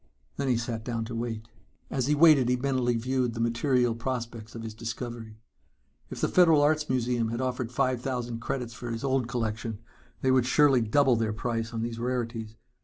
Then he sat down to wait. As he waited he mentally viewed the material prospects of his discovery. If the Federal Arts Museum had offered five thousand credits for his old collection, they would surely double their price on these rarities.